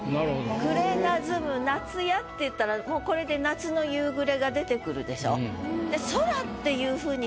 「暮れなずむ夏や」っていったらもうこれで夏の夕暮れが出てくるでしょ？